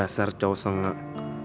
dasar cowo sengak